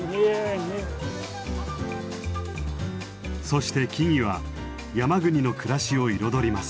そして木々は山国の暮らしを彩ります。